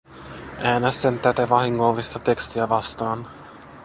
Äänestän tätä vahingollista tekstiä vastaan.